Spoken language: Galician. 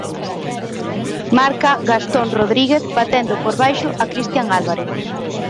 Marca Gastón Rodríguez batendo por baixo a Cristian Álvarez.